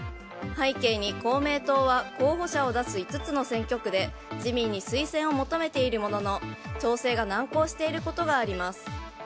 背景に、公明党は候補者を出す５つの選挙区で自民に推薦を求めているものの調整が難航していることがあります。